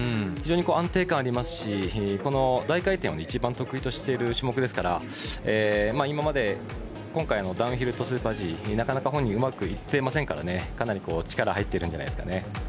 非常に安定感がありますし大回転が一番得意としている種目ですから今まで今回ダウンヒルとスーパーＧになかなか本人はうまくいってませんからかなり力が入ってるんじゃないですかね。